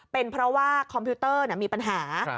เป็นเพราะว่าคอมพิวเตอร์มีปัญหา